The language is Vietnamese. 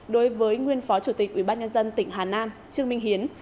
đối với nguyên phó chủ tịch ubnd tỉnh hà nam trương minh hiến